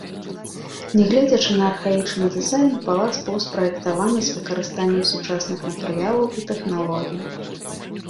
Нягледзячы на архаічны дызайн, палац быў спраектаваны з выкарыстаннем сучасных матэрыялаў і тэхналогій.